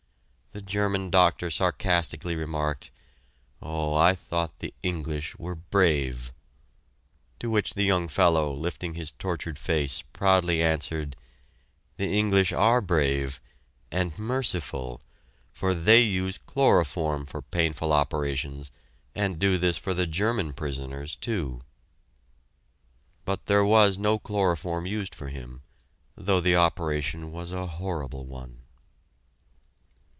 The German doctor sarcastically remarked, "Oh, I thought the English were brave." To which the young fellow, lifting his tortured face, proudly answered, "The English are brave and merciful and they use chloroform for painful operations, and do this for the German prisoners, too." But there was no chloroform used for him, though the operation was a horrible one.